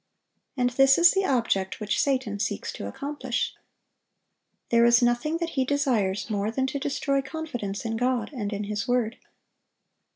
And this is the object which Satan seeks to accomplish. There is nothing that he desires more than to destroy confidence in God and in His word.